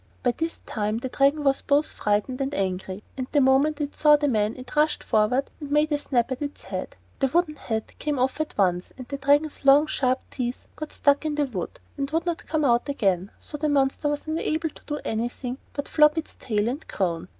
By this time the Dragon was both frightened and angry, and the moment it saw the man it rushed forward and made a snap at his head. The wooden head came off at once, and the Dragon's long, sharp teeth got stuck in the wood and would not come out again; so the monster was unable to do anything but flop its tail and groan.